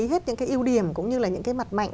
hết những cái ưu điểm cũng như là những cái mặt mạnh